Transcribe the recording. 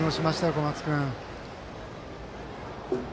小松君。